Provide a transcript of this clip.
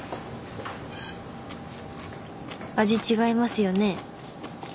味違いますよね？